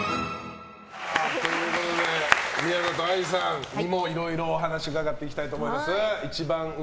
宮里藍さんにもいろいろお話伺っていきたいと思います。